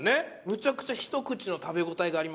むちゃくちゃひと口の食べ応えがあります。